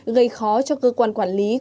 gây khó cho cơ quan quản lý